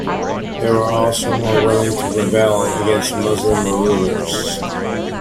They were also more willing to rebel against Muslim rulers.